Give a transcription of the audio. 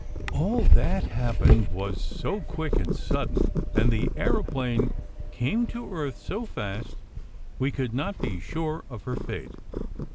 All that happened was so quick and sudden, and the aeroplane came to earth so fast we could not be sure of her fate.